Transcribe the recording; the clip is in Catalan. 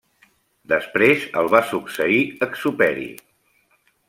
Després el va succeir Exuperi.